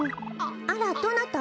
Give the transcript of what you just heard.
あらどなた？